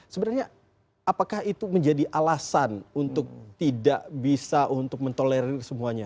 sebenarnya apakah itu menjadi alasan untuk tidak bisa untuk mentolerir semuanya